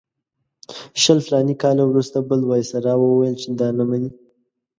شل فلاني کاله وروسته بل وایسرا وویل چې دا نه مني.